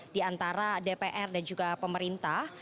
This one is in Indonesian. di antara dpr dan juga pemerintah